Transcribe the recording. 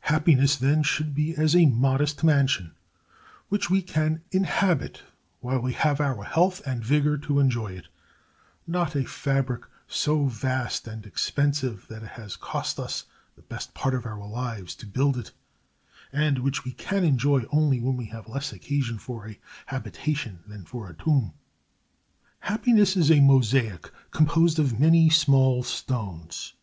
Happiness, then, should be as a modest mansion, which we can inhabit while we have our health and vigor to enjoy it; not a fabric so vast and expensive that it has cost us the best part of our lives to build it, and which we can enjoy only when we have less occasion for a habitation than for a tomb. Happiness is a mosaic composed of many small stones.